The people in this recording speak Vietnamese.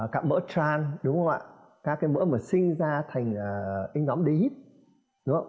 các mỡ tràn đúng không ạ các mỡ mà sinh ra thành ính lõm đê hít đúng không